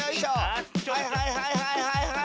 はいはいはいはいはい！